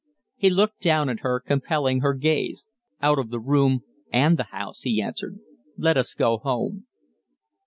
He looked down at her, compelling her gaze. "Out of the room and the house," he answered. "Let us go home."